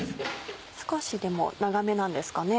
少し長めなんですかね。